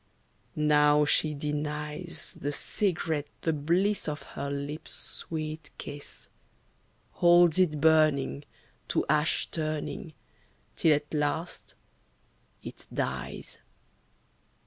Now she denies The cigarette the bliss of her lips' sweet kiss, Holds it burning, to ash turning, Till at last it dies.